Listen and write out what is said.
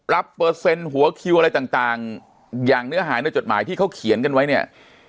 เปอร์เซ็นต์หัวคิวอะไรต่างอย่างเนื้อหายในจดหมายที่เขาเขียนกันไว้เนี่ย